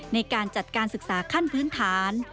ในการจัดการศึกษาขั้นพื้นฐาน